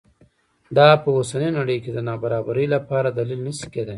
دا په اوسنۍ نړۍ کې د نابرابرۍ لپاره دلیل نه شي کېدای.